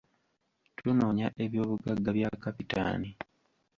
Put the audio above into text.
Tunoonya eby'obugagga bya kapitaani